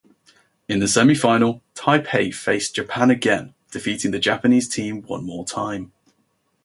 In the semifinal, Taipei faced Japan again, defeating the Japanese team one more time.